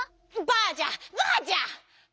「ばあじゃばあじゃ！」。